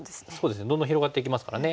どんどん広がっていきますからね。